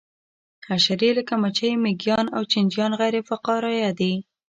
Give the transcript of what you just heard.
حشرې لکه مچۍ مېږیان او چینجیان غیر فقاریه دي